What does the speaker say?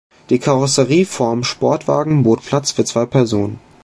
Die Karosserieform Sportwagen bot Platz für zwei Personen.